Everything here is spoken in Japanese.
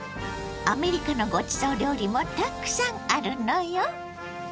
アメリカのごちそう料理もたくさんあるのよ。